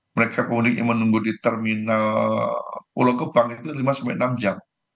mereka pemudik yang menunggu di terminal pulau gebang itu lima enam jam